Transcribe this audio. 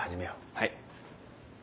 はい。